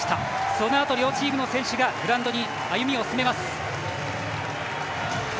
そのあと、両チームの選手がグラウンドに歩みを進めます。